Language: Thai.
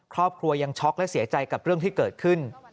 ครอบครัวยังช็อกและเสียใจกับเรื่องที่เกิดขึ้น